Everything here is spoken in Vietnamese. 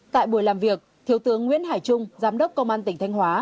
tại buổi làm việc thiếu tướng nguyễn hải trung giám đốc công an tỉnh thanh hóa